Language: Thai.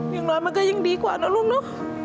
อย่างน้อยมันก็ยังดีกว่านะลูกเนอะ